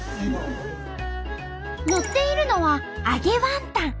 のっているのは揚げワンタン。